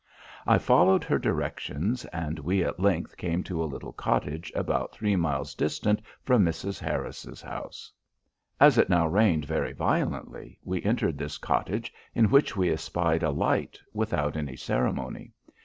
I followed her directions, and we at length came to a little cottage about three miles distant from Mrs. Harris's house. "As it now rained very violently, we entered this cottage, in which we espied a light, without any ceremony.